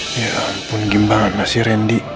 ya ampun gimana sih randy